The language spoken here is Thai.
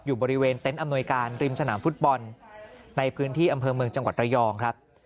บริเวณเต็นต์อำนวยการริมสนามฟุตบอลในพื้นที่อำเภอเมืองจังหวัดระยองครับ